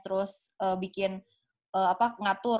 terus bikin apa ngatur